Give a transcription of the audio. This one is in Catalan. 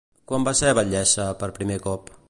Quan va ser batllessa per primer cop?